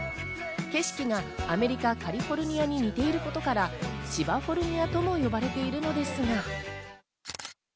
景色がアメリカ・カリフォルニアに似ていることから千葉フォルニアとも呼ばれているのですが。